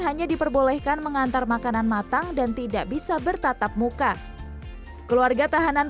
hanya diperbolehkan mengantar makanan matang dan tidak bisa bertatap muka keluarga tahanan